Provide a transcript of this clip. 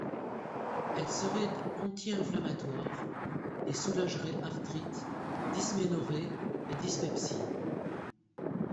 Elle serait anti-inflammatoire et soulagerait arthrite, dysménorrhée et dyspepsie.